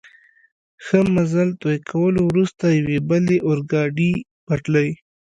ښه مزل طی کولو وروسته، یوې بلې اورګاډي پټلۍ.